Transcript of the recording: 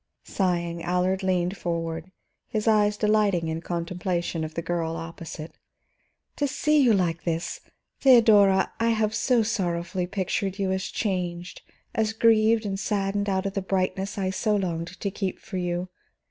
Sighing, Allard leaned forward, his eyes delighting in contemplation of the girl opposite. "To see you like this! Theodora, I have so sorrowfully pictured you as changed, as grieved and saddened out of the brightness I so longed to keep for you.